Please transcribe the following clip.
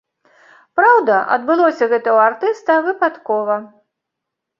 Праўда, адбылося гэта ў артыста выпадкова.